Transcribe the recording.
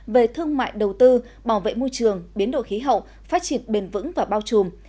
về thương mại đầu tư bảo vệ môi trường biến đổi khí hậu phát triển bền vững và bao trùm